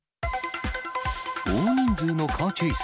大人数のカーチェイス。